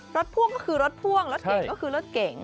พ่วงก็คือรถพ่วงรถเก่งก็คือรถเก๋ง